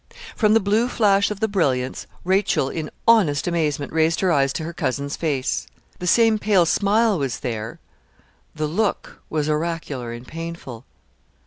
From the blue flash of the brilliants Rachel in honest amazement raised her eyes to her cousin's face. The same pale smile was there; the look was oracular and painful.